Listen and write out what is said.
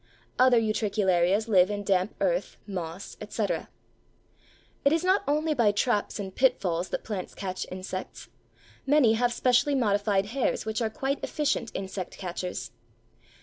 Other Utricularias live in damp earth, moss, etc. It is not only by traps and pitfalls that plants catch insects: many have specially modified hairs which are quite efficient insect catchers.